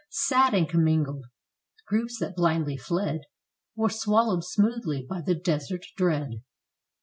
Sad and commingled, groups that blindly fled Were swallowed smoothly by the desert dread.